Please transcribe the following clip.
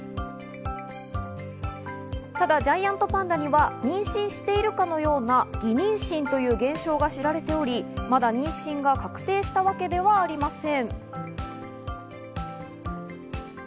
ただ、ジャイアントパンダには妊娠しているかのような偽妊娠という現象が知られており、まだ妊娠が確定したわけではありません。